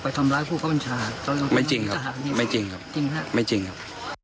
ไม่จริงครับไม่จริงครับ